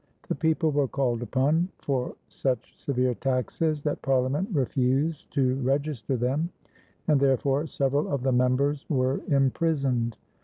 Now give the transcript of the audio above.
The people were called upon for such severe taxes that Parliament refused to register them, and therefore several of the members were imprisoned.